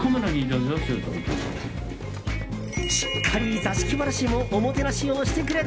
しっかり、座敷わらしもおもてなしをしてくれた！